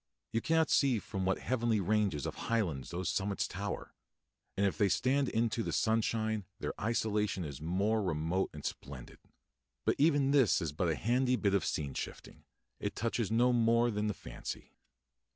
You cannot see from what heavenly ranges of highlands those summits tower, and if they stand into the sunshine their isolation is the more remote and splendid. But even this is but a handy bit of scene shifting; it touches no more than the fancy.